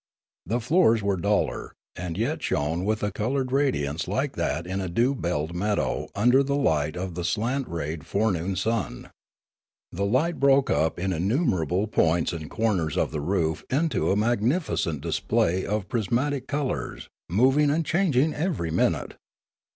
The floors were duller, and yet shone with a coloured radiance like that in a dew belled meadow under the light of the slant rayed forenoon sun. The light broke up in innumerable points and corners of the roof into a magnificent display of pris matic colours, moving and changing every minute.